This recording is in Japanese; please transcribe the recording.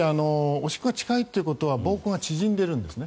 おしっこが近いということは膀胱が縮んでいるんですね。